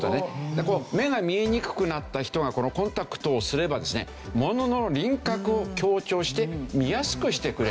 目が見えにくくなった人がこのコンタクトをすればですねものの輪郭を強調して見やすくしてくれる。